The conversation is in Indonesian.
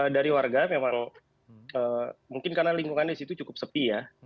dari warga memang mungkin karena lingkungannya di situ cukup sepi ya